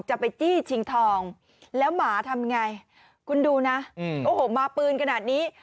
ไปจี้ชิงทองแล้วหมาทำไงคุณดูนะโอ้โหมาปืนขนาดนี้